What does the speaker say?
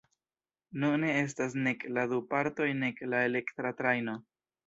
Nune estas nek la du partoj nek la elektra trajno.